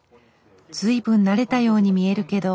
随分慣れたように見えるけど。